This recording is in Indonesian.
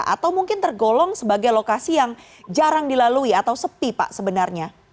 atau mungkin tergolong sebagai lokasi yang jarang dilalui atau sepi pak sebenarnya